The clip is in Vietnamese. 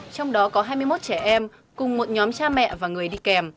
trong đó có hai mươi một trẻ em cùng một nhóm cha mẹ và người đi kèm